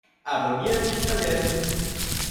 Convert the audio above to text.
Abonnieren nicht vergessen!